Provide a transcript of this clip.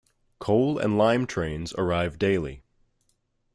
Coal and lime trains arrive daily.